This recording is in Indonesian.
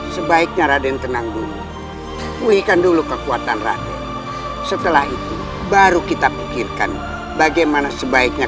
sebaiknya raden tenang dulu ulihkan dulu kekuatan raden setelah itu baru kita pikirkan bagaimana sebaiknya